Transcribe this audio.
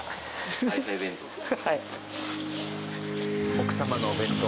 奥様のお弁当。